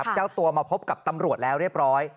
เจ้าตัวมาพบกับตำรวจแล้วเรียบร้อย